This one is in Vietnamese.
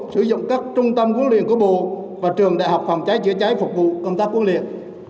sử dụng các trung tâm huấn luyện của bộ và trường đại học phòng cháy chữa cháy phục vụ công tác huấn luyện